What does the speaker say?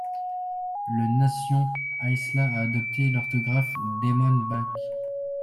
La Nation haisla a adopté l’orthographe d’Emmon Bach.